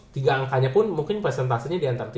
tiga angkanya pun mungkin presentasenya diantara tiga puluh